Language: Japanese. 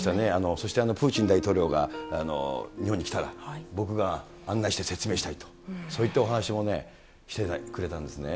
そしてプーチン大統領が日本に来たら、僕が案内して説明したいと、そういったお話もね、してくれたんですね。